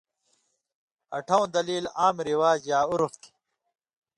اٹھؤں دلیل عام رواج یا عُرف تھی۔